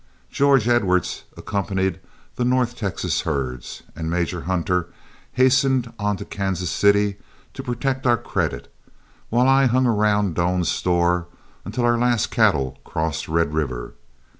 George Edwards accompanied the north Texas herds, and Major Hunter hastened on to Kansas City to protect our credit, while I hung around Doan's Store until our last cattle crossed Red River.